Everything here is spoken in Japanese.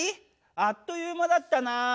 あっという間だったな！